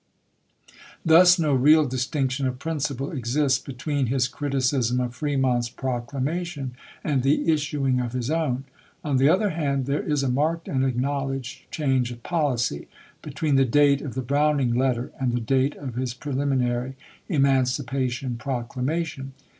Thus no real distinction of principle exists be tween his criticism of Fremont's proclamation and the issuing of his own. On the other hand, there is a marked and acknowledged change of policy ' between the date of the Browning letter and the date of his preliminary Emancipation Proclama tion.